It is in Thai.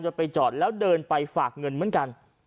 ไปจอดแล้วเดินไปฝากเงินเหมือนกัน